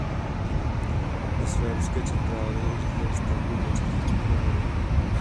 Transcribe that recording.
Ze své ruské centrály řídil stavbu dvaceti cukrovarů.